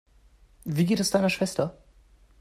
Wie geht es deiner Schwester?